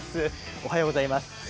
おはようございます。